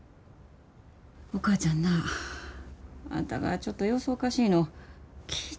お母ちゃんなあんたがちょっと様子おかしいの気ぃ